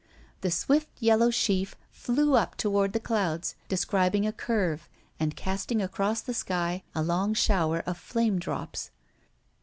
The swift yellow sheaf flew up toward the clouds, describing a curve, and casting across the sky a long shower of flame drops.